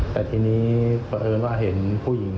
แต่ทีนี้เพราะเอิญว่าเห็นผู้หญิง